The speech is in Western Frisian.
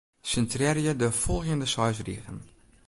Sintrearje de folgjende seis rigen.